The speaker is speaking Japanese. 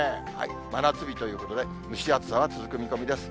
真夏日ということで、蒸し暑さが続く見込みです。